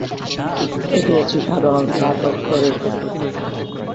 এটি একটি সাধারণ স্নাতক স্তরের প্রস্তুতি।